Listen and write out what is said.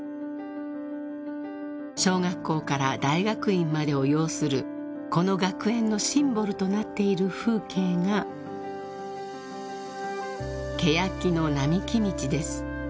［小学校から大学院までを擁するこの学園のシンボルとなっている風景がケヤキの並木道です］